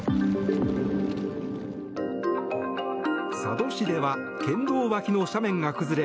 佐渡市では県道脇の斜面が崩れ